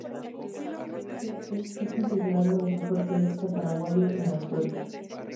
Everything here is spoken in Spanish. Pecci es considerado el mejor tenista paraguayo en la historia.